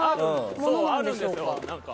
そう、あるんですよ。